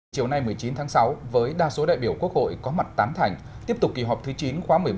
chiều nay một mươi chín tháng sáu với đa số đại biểu quốc hội có mặt tám thành tiếp tục kỳ họp thứ chín khóa một mươi bốn